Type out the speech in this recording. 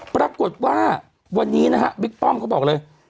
ปรากฏว่าวันนี้นะฮะบิ๊กป้อมเขาบอกเลย